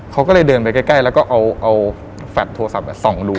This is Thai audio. เขาก็เลยเดินไปใกล้แล้วก็เอาแฟลตโทรศัพท์ส่องดู